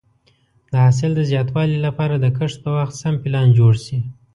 د حاصل د زیاتوالي لپاره د کښت په وخت سم پلان جوړ شي.